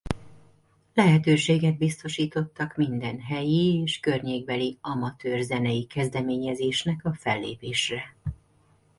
Lehetőséget biztosítottak minden helyi és környékbeli amatőr zenei kezdeményezésnek a fellépésre.